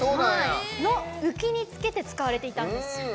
ウキに付けて使われていたんです。